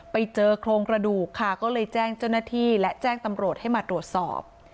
ไปเจอโครงกระดูกค่ะก็เลยแจ้งเจ้าหน้าที่และแจ้งตำรวจให้มาตรวจสอบ